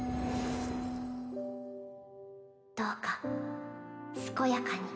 どうか健やかに